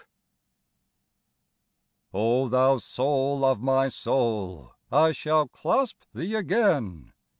0 thou soul of my soul ! I shall clasp thee again.